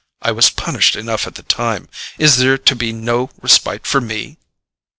I was punished enough at the time—is there to be no respite for me?"